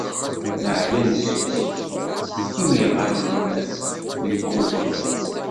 Neɛya nessusum imi ɣallen neggugem!